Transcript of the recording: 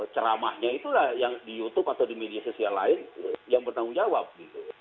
ceramahnya itulah yang di youtube atau di media sosial lain yang bertanggung jawab gitu